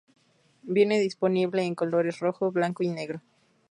Viene disponible en colores rojo, blanco y negro.